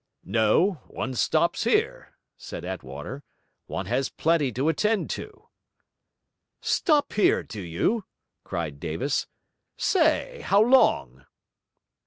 'No, one stops here,' said Attwater, 'one has plenty to attend to.' 'Stop here, do you?' cried Davis. 'Say, how long?'